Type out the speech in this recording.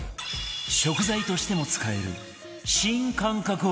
食材としても使える新感覚